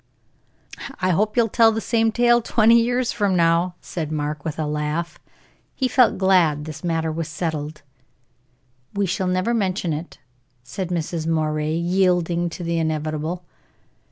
"I hope you'll tell the same tale twenty years from now," said Mark, with a laugh. He felt glad this matter was settled. "We shall never mention it," said Mrs. Moray, yielding to the inevitable.